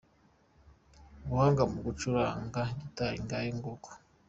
Ubuhanga mu gucuranga gitari, ngayo nguko.